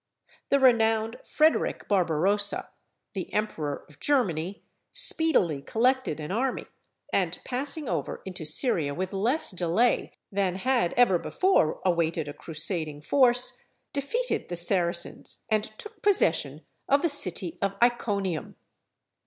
The renowned Frederick Barbarossa, the emperor of Germany, speedily collected an army, and passing over into Syria with less delay than had ever before awaited a crusading force, defeated the Saracens, and took possession of the city of Iconium.